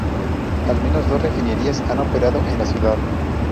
Al menos dos refinerías han operado en la ciudad.